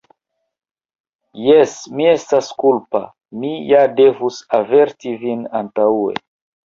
Jes, mi estas kulpa; mi ja devus averti vin antaŭe.